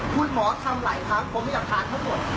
คุณหมอทำหลายครั้งผมไม่ได้การท่านรับฐานควร